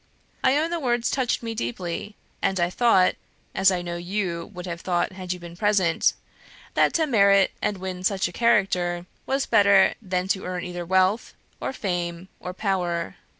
I own the words touched me deeply, and I thought (as I know YOU would have thought had you been present) that to merit and win such a character was better than to earn either wealth, or fame, or power.